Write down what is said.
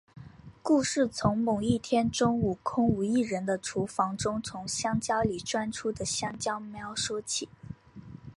故事从某一天中午空无一人的厨房中从香蕉里钻出的香蕉喵说起。